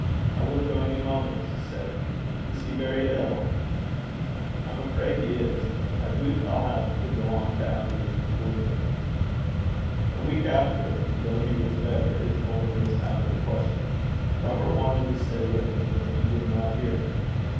'I will go any moment,' she said. 'Is he very ill?' 'I'm afraid he is. I doobt I'll hae to gang to Aberdeen withoot him.' A week after, though he was better, his going was out of the question. Robert wanted to stay with him, but he would not hear of it.